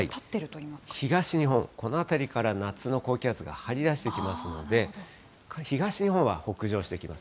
東日本、この辺りから夏の高気圧が張り出してきますので、東日本は北上してきます。